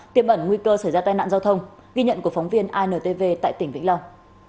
tiêm ẩn nguy cơ xảy ra tai nạn giao thông ghi nhận của phóng viên intv tại tỉnh vĩnh long